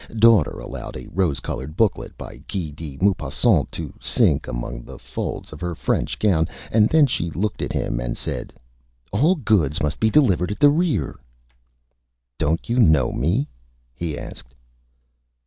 Daughter allowed a rose colored Booklet, by Guy de Maupassant, to sink among the Folds of her French Gown, and then she Looked at him, and said: "All Goods must be delivered at the Rear." "Don't you Know me?" he asked.